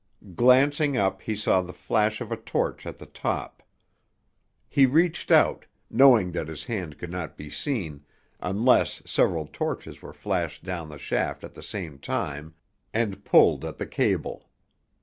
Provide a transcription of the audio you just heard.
Glancing up, he saw the flash of a torch at the top. He reached out, knowing that his hand could not be seen unless several torches were flashed down the shaft at the same time, and pulled at the cable.